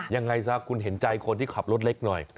ยังไงซะคุณเห็นใจคนที่ขับรถเล็กหน่อย